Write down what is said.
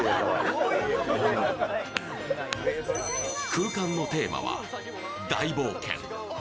空間のテーマは大冒険。